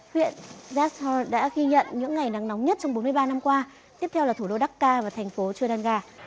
huyện jashar đã ghi nhận những ngày nắng nóng nhất trong bốn mươi ba năm qua tiếp theo là thủ đô dhaka và thành phố chudanga